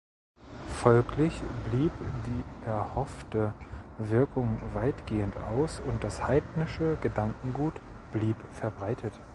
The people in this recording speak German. Folglich blieb die erhoffte Wirkung weitgehend aus und das heidnische Gedankengut blieb verbreitet.